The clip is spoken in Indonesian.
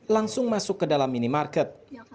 langsung masuk ke dalam minimarket